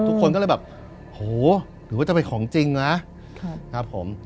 ทุกคนก็เลยแบบโหหรือว่าจะเป็นของจริงนะครับผม